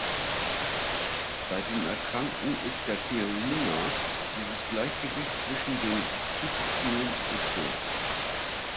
Bei den Erkrankten ist der Theorie nach dieses Gleichgewicht zwischen den Zytokinen gestört.